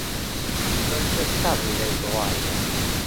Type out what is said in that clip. Non jectar le toalia.